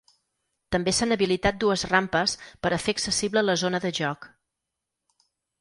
També s’han habilitat dues rampes per a fer accessible la zona de joc.